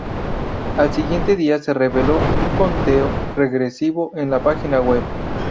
Al siguiente día se reveló un conteo regresivo en la página web.